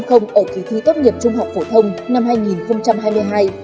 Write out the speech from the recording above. kỳ ở kỳ thi tốt nghiệp trung học phổ thông năm hai nghìn hai mươi hai